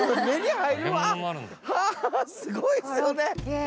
はぁすごいっすよね。